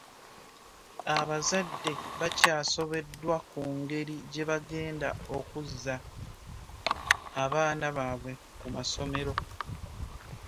Abazadde bakyasobeddwa ku ngeri gye bagenda okuza abaana baabwe ku masomero.